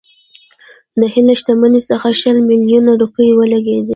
د هند له شتمنۍ څخه شل میلیونه روپۍ ولګېدې.